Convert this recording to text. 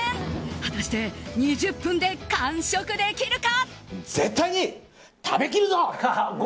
果たして、２０分で完食できるか。